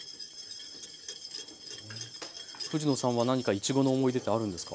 藤野さんは何かいちごの思い出ってあるんですか？